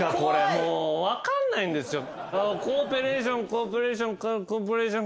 もう分かんないんですよ。